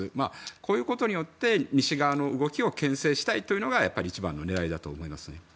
こういうことによって西側の動きをけん制したいというのがやっぱり一番の狙いだと思います。